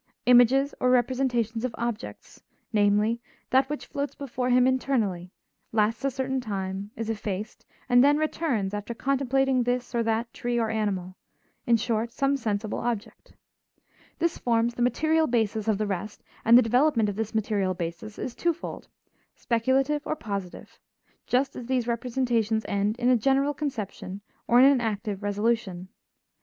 Images or representations of objects, namely, that which floats before him internally, lasts a certain time, is effaced, and then returns after contemplating this or that tree or animal, in short, some sensible object. This forms the material basis of the rest and the development of this material basis is twofold, speculative or positive, just as these representations end in a general conception or in an active resolution.